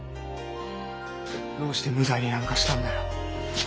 どうして無罪になんかしたんだよ。